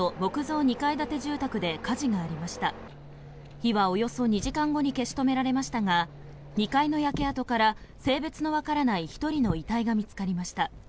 火はおよそ２時間後に消し止められましたが２階の焼け跡から性別のわからない１人の遺体が見つかりました。